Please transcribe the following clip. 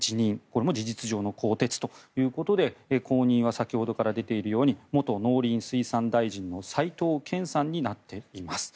これも事実上の更迭ということで後任は先ほどから出ているように元農林水産大臣の斎藤健さんになっています。